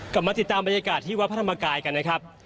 กลับมาติดตามบรรยากาศที่วัดพระธรรมกายกันนะครับ